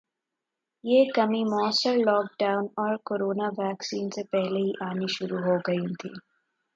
یہ کمی موثر لوک ڈاون اور کورونا ویکسین سے پہلے ہی آنی شروع ہو گئی تھی